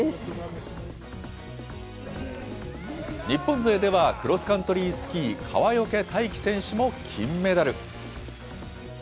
日本勢では、クロスカントリースキー、川除大輝選手も金メダル。